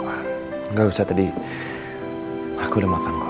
hai enggak usah tadi aku demang dengar